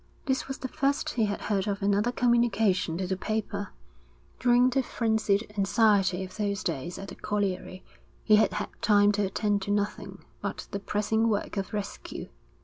This was the first he had heard of another communication to the paper. During the frenzied anxiety of those days at the colliery, he had had time to attend to nothing but the pressing work of rescue.